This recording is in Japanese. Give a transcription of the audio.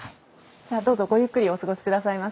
じゃあどうぞごゆっくりお過ごしくださいませ。